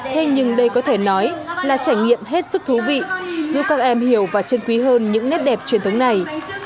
thế nhưng đây có thể nói là trải nghiệm hết sức thú vị giúp các em hiểu và chân quý hơn những nét đẹp truyền thống này